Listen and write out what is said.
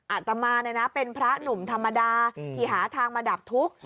อาตมาเป็นพระหนุ่มธรรมดาที่หาทางมาดับทุกข์